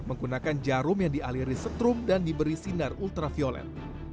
menggunakan jarum yang dialiri setrum dan diberi sinar ultraviolet